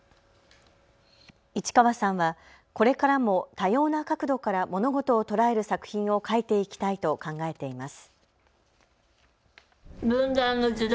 市川さんはこれからも多様な角度から物事を捉える作品を書いていきたいと考えています。